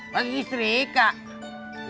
lagi istri kak